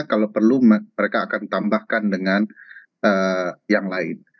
kalau perlu mereka akan tambahkan dengan yang lain